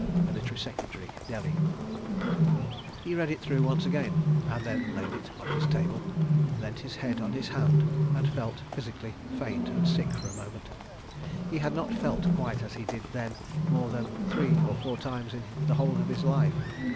_ Military Secretary, Delhi. He read it through once again and then laid it on his table, leant his head on his hand and felt physically faint and sick for a moment. He had not felt quite as he did then more than three or four times in the whole of his life.